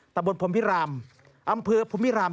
ตะบนพรมพิรามอำเภอภูมิราม